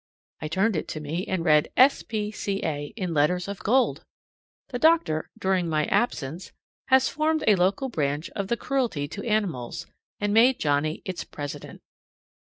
I turned it to me and read "S. P. C. A." in letters of gold! The doctor, during my absence, has formed a local branch of the Cruelty to Animals, and made Johnnie its president.